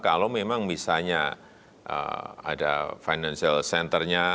kalau memang misalnya ada financial centernya